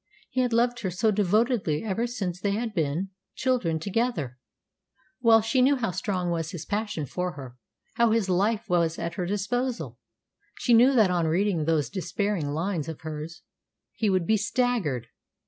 He had loved her so devotedly ever since they had been children together! Well she knew how strong was his passion for her, how his life was at her disposal. She knew that on reading those despairing lines of hers he would be staggered.